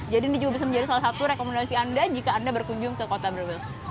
jadi ini juga bisa menjadi salah satu rekomendasi anda jika anda berkunjung ke kota berbes